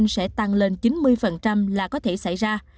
sẽ tăng lên chín mươi là có thể xảy ra